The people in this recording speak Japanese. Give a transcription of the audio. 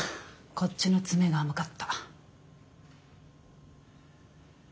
こっちの詰めが甘かった。